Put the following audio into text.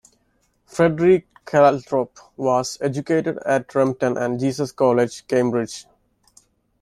Freddie Calthorpe was educated at Repton and Jesus College, Cambridge.